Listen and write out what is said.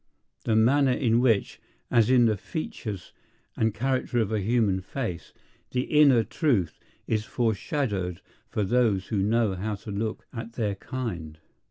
The manner in which, as in the features and character of a human face, the inner truth is foreshadowed for those who know how to look at their kind.